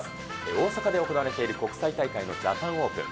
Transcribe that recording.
大阪で行われている国際大会のジャパンオープン。